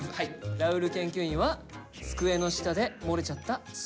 ラウール研究員は「机の下でもれちゃった好き」。